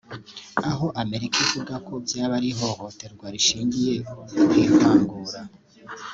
aho Amerika ivuga ko byaba ari ihohoterwa rishingiye ku ivangura